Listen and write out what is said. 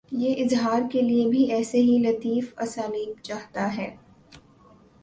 یہ اظہار کے لیے بھی ایسے ہی لطیف اسالیب چاہتا ہے۔